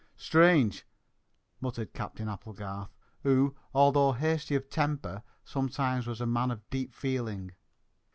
"Strange!" muttered Captain Applegarth, who, although hasty of temper sometimes, was a man of deep feeling.